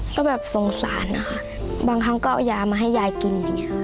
ก็แบบสงสารนะคะบางครั้งก็เอายามาให้ยายกิน